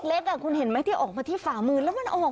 เอาครับเคลื่อนครับ